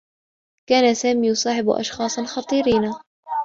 كان سامي يصاحب أشخاصا خطيرين.